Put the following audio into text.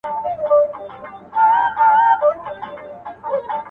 خېشکي، چي ډوډۍ خوري دروازې پېش کي.